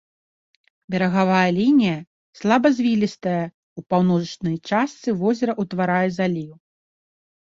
Берагавая лінія слабазвілістая, у паўночнай частцы возера ўтварае заліў.